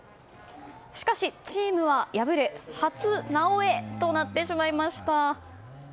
しかし、チームは敗れ初「なおエ」となってしまいました。